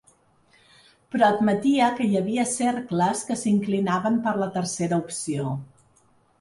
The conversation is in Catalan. Però admetia que hi havia cercles que s’inclinaven per la tercera opció.